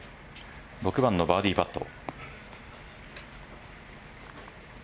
６番のバーディーパット。